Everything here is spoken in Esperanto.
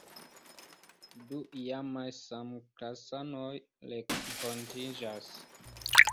Du iamaj samklasanoj renkontiĝas.